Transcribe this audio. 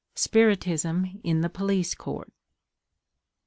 SPIRITISM IN THE POLICE COURT (1876.)